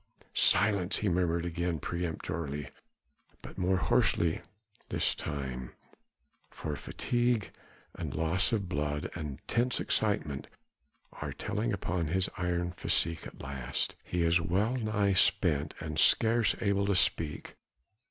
"Silence!" he murmured again peremptorily, but more hoarsely this time for fatigue and loss of blood and tense excitement are telling upon his iron physique at last he is well nigh spent and scarce able to speak.